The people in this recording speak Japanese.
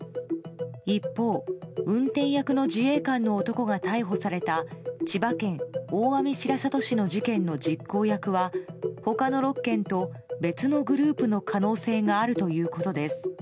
一方、運転役の自衛官の男が逮捕された千葉県大網白里市の事件の実行役は他の６件と別のグループの可能性があるということです。